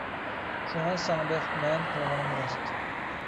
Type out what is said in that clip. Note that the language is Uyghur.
شۇڭا «ساڭا بېقىپ مەن» قىلغىنىم راست.